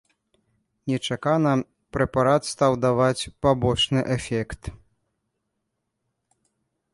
Нечакана прэпарат стаў даваць пабочны эфект.